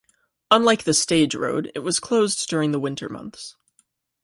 Unlike the stage road, it was closed during the winter months.